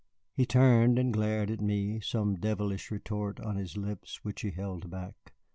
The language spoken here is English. He turned and glared at me, some devilish retort on his lips which he held back.